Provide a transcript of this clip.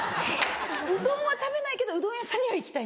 うどんは食べないけどうどん屋さんには行きたい？